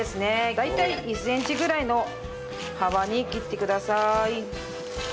大体１センチぐらいの幅に切ってください。